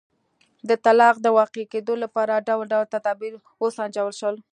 د طلاق د واقع کېدو لپاره ډول ډول تدابیر وسنجول شول.